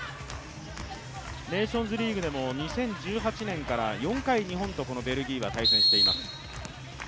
ネーションズリーグでも２０１８年から４回、日本はベルギーと対戦しています。